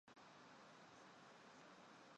与可汗一样用在统治者身上。